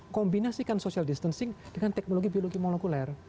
kombinasikan social distancing dengan teknologi biologi molekuler